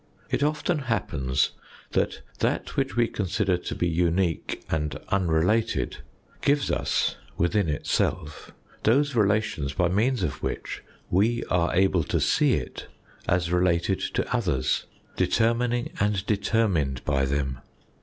It often happens that that which we consider to be unique and unrelated gives us, within itself, those relations by means of which we are able to see it as related to others, determining and determined by them.